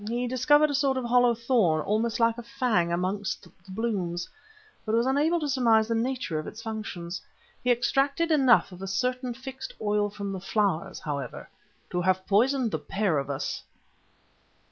He discovered a sort of hollow thorn, almost like a fang, amongst the blooms, but was unable to surmise the nature of its functions. He extracted enough of a certain fixed oil from the flowers, however, to have poisoned the pair of us!"